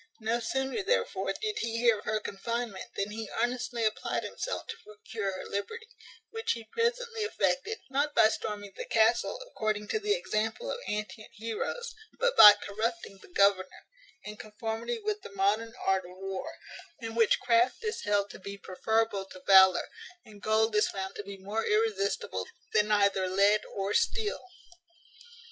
No sooner, therefore, did he hear of her confinement, than he earnestly applied himself to procure her liberty; which he presently effected, not by storming the castle, according to the example of antient heroes, but by corrupting the governor, in conformity with the modern art of war, in which craft is held to be preferable to valour, and gold is found to be more irresistible than either lead or steel.